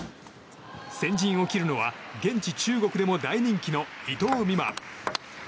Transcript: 先陣を切るのは現地・中国でも大人気の、伊藤美誠。